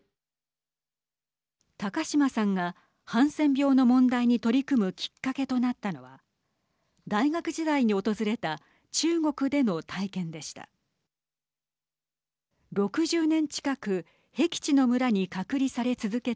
高島さんがハンセン病の問題に取り組むきっかけとなったのは大学時代に訪れた中国での体験でした。